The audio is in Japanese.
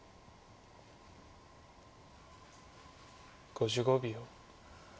５５秒。